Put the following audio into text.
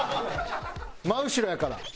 真後ろやから。